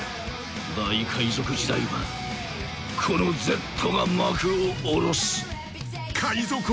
「大海賊時代はこのＺが幕を下ろす」